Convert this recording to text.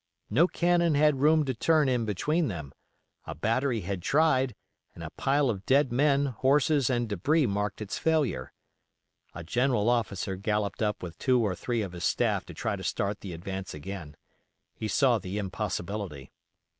No cannon had room to turn in between them; a battery had tried and a pile of dead men, horses, and debris marked its failure. A general officer galloped up with two or three of his staff to try to start the advance again. He saw the impossibility.